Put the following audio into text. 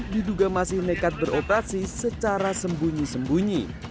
diduga masih nekat beroperasi secara sembunyi sembunyi